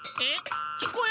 え？